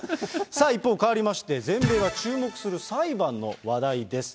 さあ、一方、変わりまして全米が注目する裁判の話題です。